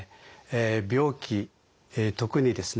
病気特にですね